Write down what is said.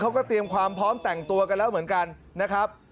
เขาก็เตรียมความพร้อมแต่งตัวกันแล้วเหมือนกันนะครับ